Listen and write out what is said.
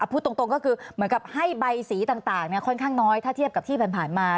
พูดตรงก็คือเหมือนกับให้ใบสีต่างค่อนข้างน้อยถ้าเทียบกับที่ผ่านมา